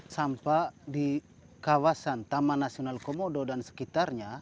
sampah di kawasan taman nasional komodo dan sekitarnya